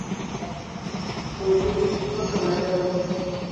Odi nigi kombe madongo